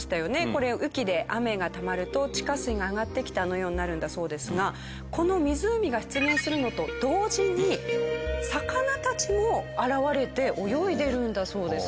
これ雨期で雨がたまると地下水が上がってきてあのようになるんだそうですがこの湖が出現するのと同時に魚たちも現れて泳いでいるんだそうです。